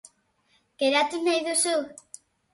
Geratu nahi duzu?